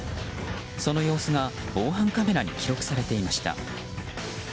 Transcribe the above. その様子が防犯カメラに記録されていました。